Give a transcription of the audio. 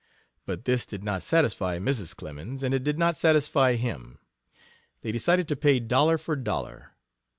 But this did not satisfy Mrs. Clemens, and it did not satisfy him. They decided to pay dollar for dollar.